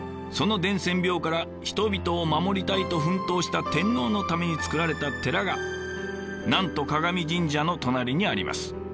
その伝染病から人々を守りたいと奮闘した天皇のために造られた寺が南都鏡神社の隣にあります。